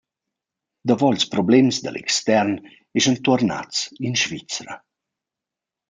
Davo ils problems da l’extern eschan tuornats in Svizra.